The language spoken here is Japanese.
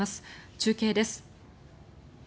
中継です。